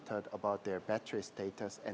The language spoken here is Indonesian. tentang status baterai dan jalanan